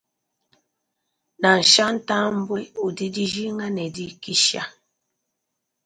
Nansha ntambue udi dijinga ne dikisha.